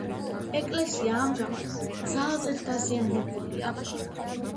ეკლესია ამჟამად ძალზედ დაზიანებულია.